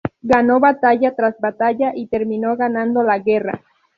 Ganó batalla tras batalla y terminó ganando la guerra.